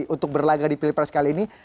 untuk berlagak di pilpres kali ini